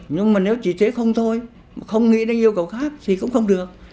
nhưng mà nếu chỉ thế không thôi không nghĩ đến yêu cầu khác thì cũng không được